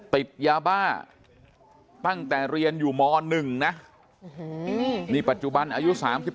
ติดยาบ้าตั้งแต่เรียนอยู่ม๑นะนี่ปัจจุบันอายุ๓๒